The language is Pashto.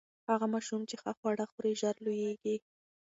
هغه ماشوم چې ښه خواړه خوري، ژر لوییږي.